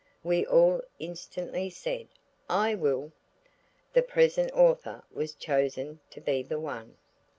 We all instantly said, "I will!" The present author was chosen to be the one.